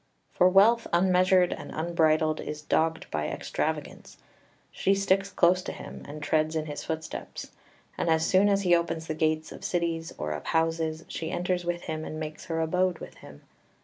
For Wealth unmeasured and unbridled is dogged by Extravagance: she sticks close to him, and treads in his footsteps: and as soon as he opens the gates of cities or of houses she enters with him and makes her abode with him.